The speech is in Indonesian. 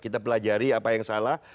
kita pelajari apa yang salah